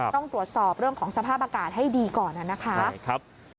ต้องตรวจสอบเรื่องของสภาพอากาศให้ดีก่อนนะครับ